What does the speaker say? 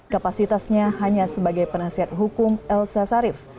kapasitasnya hanya sebagai penasihat hukum elsa sarif